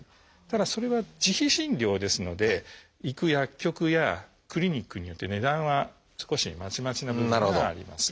ただそれは自費診療ですので行く薬局やクリニックによって値段は少しまちまちな部分があります。